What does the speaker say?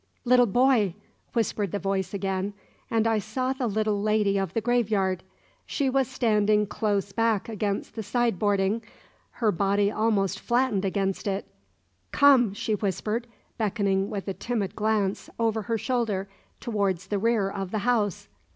"Little boy!" whispered the voice again, and I saw the little lady of the graveyard. She was standing close back against the side boarding, her body almost flattened against it. "Come," she whispered, beckoning with a timid glance over her shoulder towards the rear of the house.